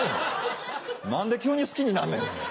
何で急に好きになんねん。